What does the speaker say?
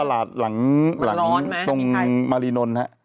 ตลาดหลังตรงมารีน้นฮะ